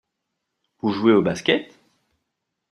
Vous jouez au Basket ?